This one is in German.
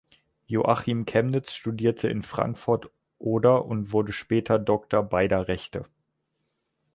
Joachim Chemnitz studierte in Frankfurt (Oder) und wurde später Doktor beider Rechte.